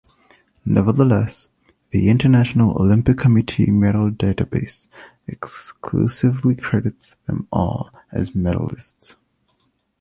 Nevertheless, the International Olympic Committee medal database exclusively credits them all as medalists.